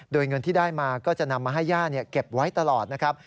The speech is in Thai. โดยเงินที่ได้มาก็จะนำมาให้ย่าเก็บไว้ตลอดนะครับ